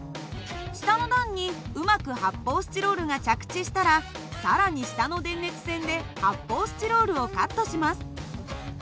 下の段にうまく発泡スチロールが着地したら更に下の電熱線で発泡スチロールをカットします。